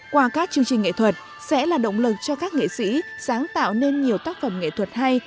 qua các chương trình nghệ thuật sẽ là động lực cho các nghệ sĩ sáng tạo nên nhiều tác phẩm nghệ thuật hay